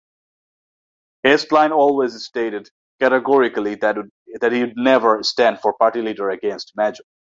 Heseltine always stated categorically that he would "never" stand for party leader against Major.